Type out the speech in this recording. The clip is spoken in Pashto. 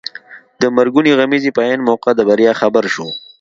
د مرګونې غمیزې په عین موقع د بریا خبر شو.